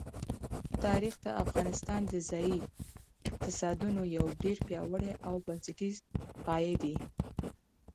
تاریخ د افغانستان د ځایي اقتصادونو یو ډېر پیاوړی او بنسټیز پایایه دی.